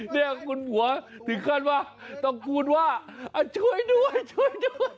เนี่ยคุณหัวถึงขั้นว่าต้องกูลว่าช่วยด้วย